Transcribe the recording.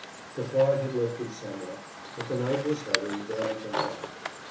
The fog had lifted somewhat, but the night was heavy, damp and dark.